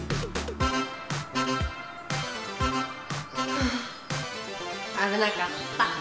フあぶなかった。